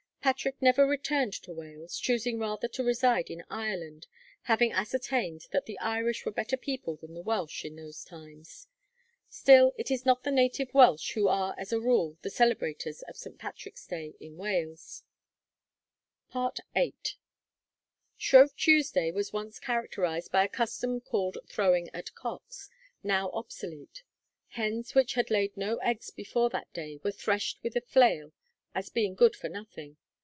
'Patrick never returned to Wales, choosing rather to reside in Ireland; having ascertained that the Irish were better people than the Welsh, in those times.' Still, it is not the native Welsh who are as a rule the celebrators of St. Patrick's Day in Wales. FOOTNOTES: 'Cambro British Saints,' 403. Iolo MSS., 455. VIII. Shrove Tuesday was once characterised by a custom called throwing at cocks, now obsolete. Hens which had laid no eggs before that day were threshed with a flail, as being good for nothing.